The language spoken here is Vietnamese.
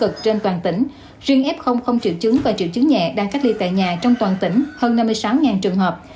cực trên toàn tỉnh riêng f không triệu chứng và triệu chứng nhẹ đang cách ly tại nhà trong toàn tỉnh hơn năm mươi sáu trường hợp